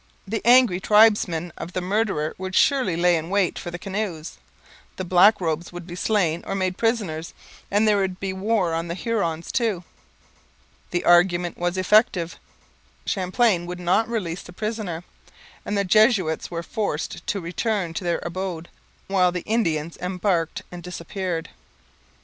The angry tribesmen of the murderer would surely lay in wait for the canoes, the black robes would be slain or made prisoners, and there would be war on the Hurons too. The argument was effective; Champlain would not release the prisoner; and the Jesuits were forced to return to their abode, while the Indians embarked and disappeared.